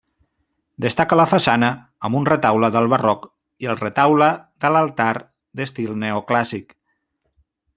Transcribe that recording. Destaca la façana, amb un retaule del Barroc, i el retaule de l'altar d'estil neoclàssic.